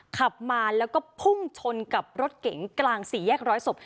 ขับมาแล้วก็พุ่งชนกับรถเก๋งกลางสี่แยกร้อยศพ